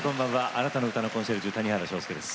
あなたの歌のコンシェルジュ谷原章介です。